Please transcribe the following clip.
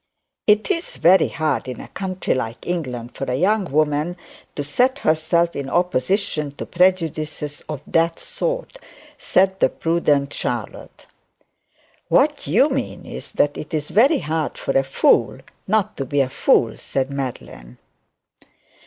'It's very hard, in a country like England, for a young woman to set herself in opposition to the prejudices of that sort,' said the prudent Charlotte. 'What you mean is, that it's very hard for a fool not to be a fool,' said Madeline.